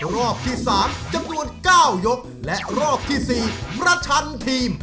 รอบที่สามจำนวนเก้ายกและรอบที่สี่บรรชันทีม